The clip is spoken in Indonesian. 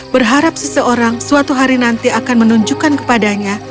berharap seseorang suatu hari nanti akan menunjukkan kepadanya